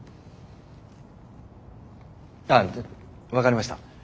あっ分かりました。